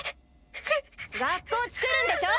学校つくるんでしょ！